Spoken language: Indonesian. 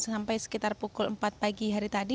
sampai sekitar pukul empat pagi hari tadi